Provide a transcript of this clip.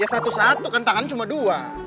ya satu satu kan tangannya cuma dua